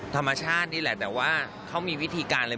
ธรรมชาตินี่แหละแต่ว่าเขามีวิธีการเลย